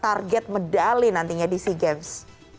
target medali nantinya di sea games